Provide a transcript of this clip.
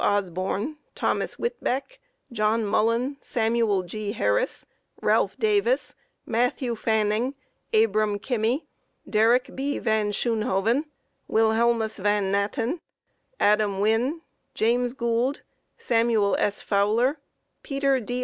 Osborn, Thomas Whitbeck, John Mullen, Samuel G. Harris, Ralph Davis, Matthew Fanning, Abram Kimmey, Derrick B. Van Schoonhoven, Wilhelmus Van Natten, Adam Winne, James Goold, Samuel S. Fowler, Peter D.